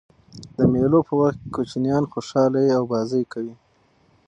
د مېلو په وخت کوچنيان خوشحاله يي او بازۍ کوي.